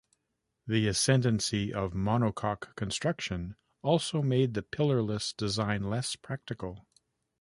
The ascendancy of monocoque construction also made the pillarless design less practical.